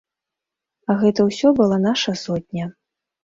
Гэта ўсё была наша сотня.